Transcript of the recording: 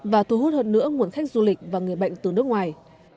và thu hút hơn nữa nguồn khách du lịch và người bệnh từ nước ngoài